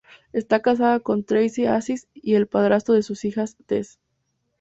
Está casado con Tracy Aziz, y es el padrastro de su hija Tess.